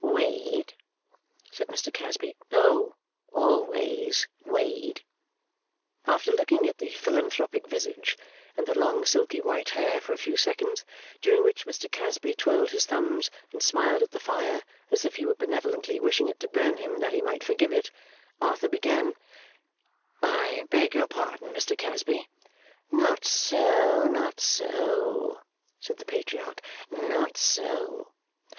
'Wade,' said Mr Casby. 'Oh, always Wade.' After looking at the philanthropic visage and the long silky white hair for a few seconds, during which Mr Casby twirled his thumbs, and smiled at the fire as if he were benevolently wishing it to burn him that he might forgive it, Arthur began: 'I beg your pardon, Mr Casby ' 'Not so, not so,' said the Patriarch, 'not so.